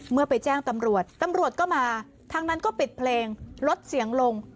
เมื่อไปแจ้งตำรวจตำรวจก็มาทางนั้นก็ปิดเพลงลดเสียงลง